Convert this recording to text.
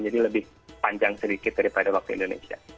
jadi lebih panjang sedikit daripada waktu indonesia